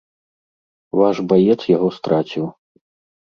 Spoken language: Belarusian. Ваш баец яго страціў.